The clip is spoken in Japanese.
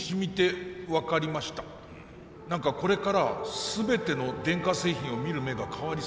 これから全ての電化製品を見る目が変わりそうです。